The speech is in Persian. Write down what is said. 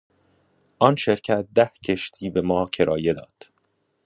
آن شرکت ده کشتی بما کرایه داد.